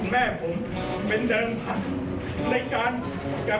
อย่าพูดแน็ตครับ